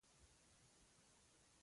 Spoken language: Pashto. د سیاسي مشارکت حق وي.